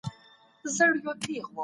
کمپيوټر رسيد لري.